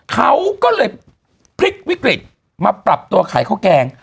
เขาก็เลยพลิกวิกฤตมาปรับตัวขายข้าวแกง